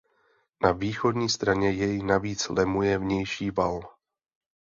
Na východní straně jej navíc lemuje vnější val.